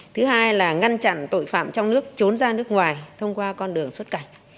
thứ hai là ngăn chặn tội phạm trong nước trốn ra nước ngoài thông qua con đường xuất cảnh